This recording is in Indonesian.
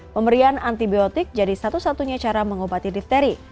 pemberian antibiotik jadi satu satunya cara mengobati difteri